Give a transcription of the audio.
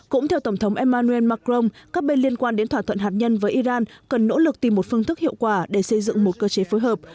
cũng theo tổng thống emmanuel macron các bên liên quan đến thỏa thuận hạt nhân với iran cần nỗ lực tìm một phương thức hiệu quả để xây dựng một cơ chế phối hợp